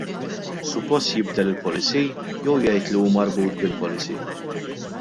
Suppost jibdel il-policy, jew jgħid li hu marbut bil-policy?